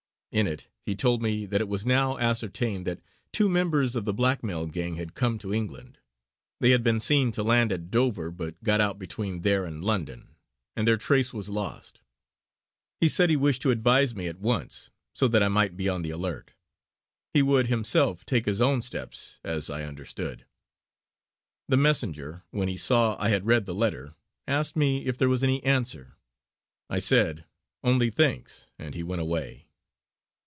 In it he told me that it was now ascertained that two members of the blackmail gang had come to England. They had been seen to land at Dover, but got out between there and London; and their trace was lost. He said he wished to advise me at once, so that I might be on the alert. He would himself take his own steps as I understood. The messenger, when he saw I had read the letter, asked me if there was any answer. I said "only thanks" and he went away.